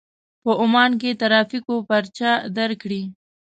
په عمان کې ترافيکو پارچه درکړې.